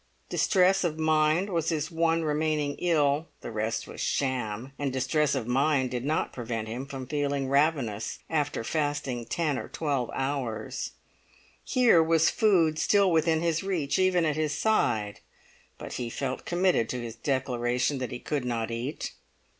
Distress of mind was his one remaining ill; the rest was sham; and distress of mind did not prevent him from feeling ravenous after fasting ten or eleven hours. Here was food still within his reach, even at his side; but he felt committed to his declaration that he could not eat.